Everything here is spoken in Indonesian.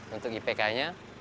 untuk ipk nya